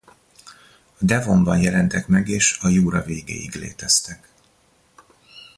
A devonban jelentek meg és a jura végéig léteztek.